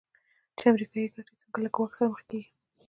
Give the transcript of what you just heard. چې امریکایي ګټې څنګه له ګواښ سره مخ کېږي.